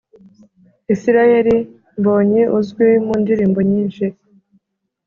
Isirayeli mbonyi uzwi mundirimbo nyinshi